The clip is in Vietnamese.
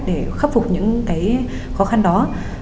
để khắc phục những cái khó khăn đó